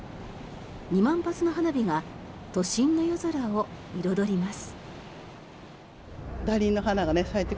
２万発の花火が都心の夜空を彩ります。